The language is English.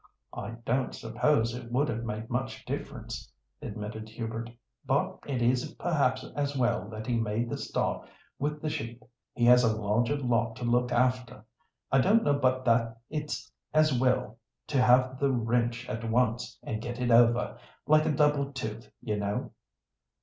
"I don't suppose it would have made much difference," admitted Hubert; "but it is perhaps as well that he made the start with the sheep. He has a larger lot to look after; I don't know but that it's as well to have the wrench at once, and get it over—like a double tooth, you know."